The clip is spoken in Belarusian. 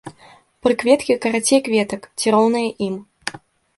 Прыкветкі карацей кветак ці роўныя ім.